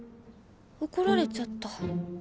怒られちゃった。